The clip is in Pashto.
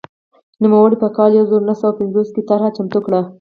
نوموړي په کال یو زر نهه سوه پنځوس کې طرحه چمتو کړه.